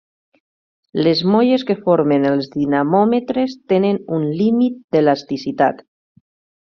Les molles que formen els dinamòmetres tenen un límit d'elasticitat.